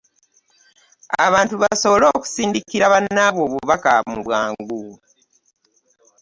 abantu basobole okusindikira bannaabwe obubaka mu bwangu.